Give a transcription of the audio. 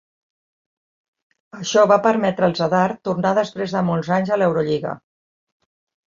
Això va permetre al Zadar tornar després de molts anys a l'Eurolliga.